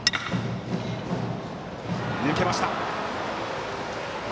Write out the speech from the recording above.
抜けました。